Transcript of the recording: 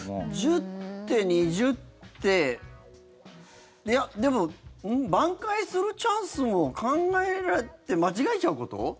１０手、２０手でも、ばん回するチャンスも考えられる間違えちゃうこと？